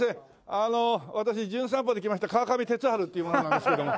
あの私『じゅん散歩』で来ました川上哲治っていう者なんですけども。